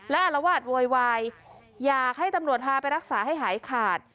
และอารวาสโวยวายอยากให้ตำรวจพาไปรักษาให้หายขาด